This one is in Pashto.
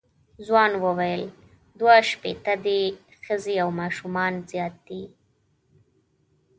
ځوان وویل دوه شپېته دي ښځې او ماشومان زیات دي.